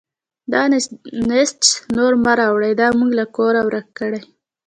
دا نجس نور مه راولئ، دا به موږ له کوره ورک کړي.